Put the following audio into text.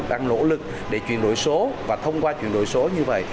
đang nỗ lực để chuyển đổi số và thông qua chuyển đổi số như vậy